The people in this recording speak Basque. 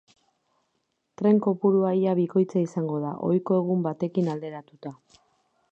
Tren kopurua ia bikoitza izango da, ohiko egun batekin alderatuta.